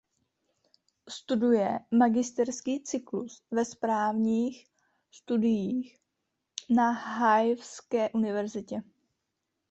Studuje magisterský cyklus ve správních studiích na Haifské univerzitě.